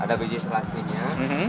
ada biji selasinya